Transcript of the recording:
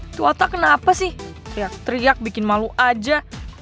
tuh ata kenapa sih teriak teriak bikin malu aja